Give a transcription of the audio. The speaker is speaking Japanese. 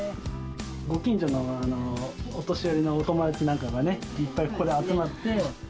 ご近所のお年寄りのお友達なんかがいっぱいここで集まって。